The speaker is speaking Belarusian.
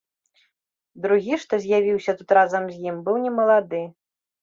Другі, што з'явіўся тут разам з ім, быў немалады.